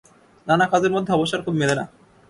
নানা কজের মধ্যে অবসর খুব মেলে না।